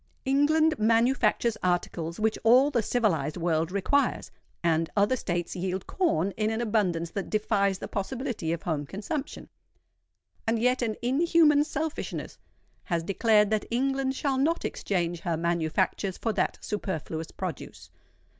England manufactures articles which all the civilised world requires; and other states yield corn in an abundance that defies the possibility of home consumption. And yet an inhuman selfishness has declared that England shall not exchange her manufactures for that superfluous produce.